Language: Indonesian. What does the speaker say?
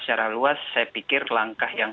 secara luas saya pikir langkah yang